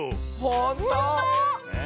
ほんとう